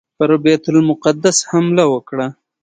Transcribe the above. پر بیت المقدس حمله وکړه.